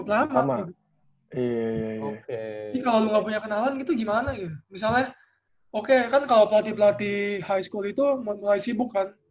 tapi kalau lo gak punya kenalan gitu gimana ya misalnya oke kan kalau pelatih pelatih high school itu mulai sibuk kan